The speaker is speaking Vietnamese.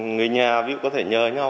người nhà có thể nhờ nhau